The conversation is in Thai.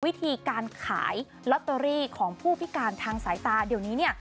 วิธีการขายลอตเตอรี่ของผู้พิการทางสายตาเดี๋ยวนี้เนี่ย